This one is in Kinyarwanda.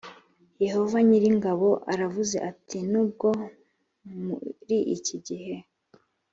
yehova nyir ingabo aravuze ati nubwo muri iki gihe